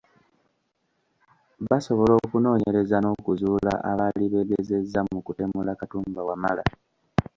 Basobola okunoonyereza n’okuzuula abaali beegezezza mu kutemula Katumba Wamala.